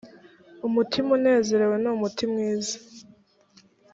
umutima unezerewe ni umuti mwiza